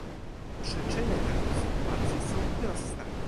Przyczyny takiej sytuacji są proste